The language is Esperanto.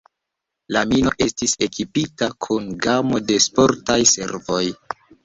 La mino estis ekipita kun gamo de sportaj servoj.